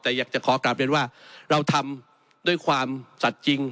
แต่อยากจะขอกลับเรียนว่าเราทำด้วยความสัตว์จริง